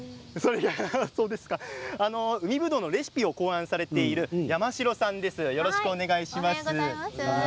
海ぶどうのレシピを考案されている山城さんです。